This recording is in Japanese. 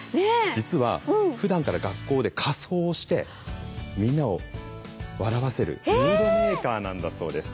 実はふだんから学校で仮装をしてみんなを笑わせるムードメーカーなんだそうです。